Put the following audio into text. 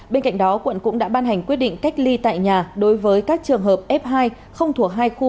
bên cạnh đó quận cũng đã ban hành quyết định cách ly tại nhà đối với các trường hợp f hai không thuộc hai khu